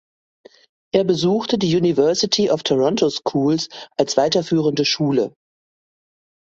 Er besuchte die University of Toronto Schools als weiterführende Schule.